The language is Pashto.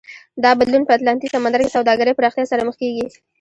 دا بدلون په اتلانتیک سمندر کې سوداګرۍ پراختیا سره مخ کېږي.